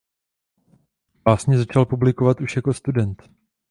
Básně začal publikovat už jako student.